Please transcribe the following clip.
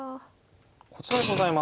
こちらでございます。